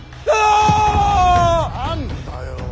何だよ。